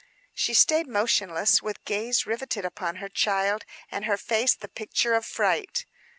She stayed motionless, with gaze riveted upon her child, and her face the picture of fright.